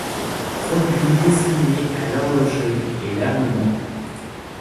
Produits destinés à l'horlogerie et l'armement.